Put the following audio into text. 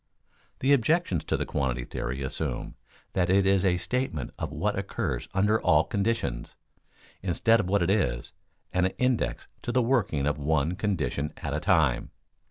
_ The objections to the quantity theory assume that it is a statement of what occurs under all conditions, instead of what it is, an index to the working of one condition at a time.